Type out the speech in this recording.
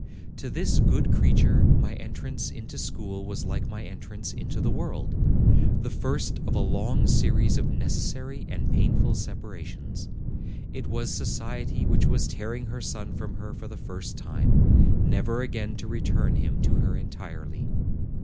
To this good creature my entrance into school was like my entrance into the world, the first of a long series of necessary and painful separations; it was society which was tearing her son from her for the first time, never again to return him to her entirely.